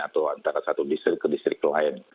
atau antara satu distrik ke distrik lain